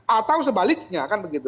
atau sebaliknya kan begitu